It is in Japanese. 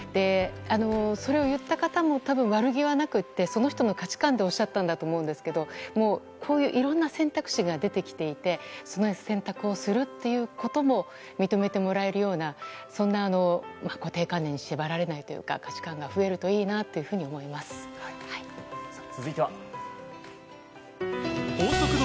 それを言った方も悪気はなくてその人の価値観でおっしゃったんだと思うんですけどこういういろんな選択肢が出てきていてその選択をするということも認めてもらえるような固定観念に縛られないというか価値観が増えるといいな宮川さん！